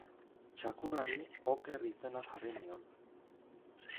Txakurrari Oker izena jarri nion.